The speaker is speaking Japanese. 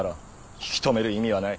引き止める意味はない。